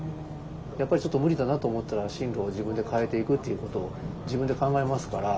やっぱりちょっと無理だなと思ったら進路を自分で変えていくっていうことを自分で考えますから。